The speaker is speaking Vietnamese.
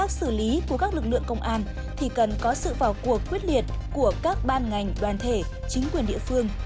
xử lý của các lực lượng công an thì cần có sự vào cuộc quyết liệt của các ban ngành đoàn thể chính quyền địa phương